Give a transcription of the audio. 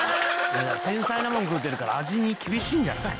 「繊細なもの食うてるから味に厳しいんじゃない？」